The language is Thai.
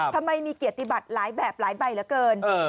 ทำไมมีเกียรติบัติหลายแบบหลายใบเหลือเกิน